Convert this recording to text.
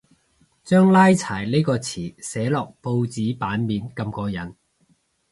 將拉柴呢個詞寫落報紙版面咁過癮